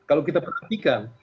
kalau kita perhatikan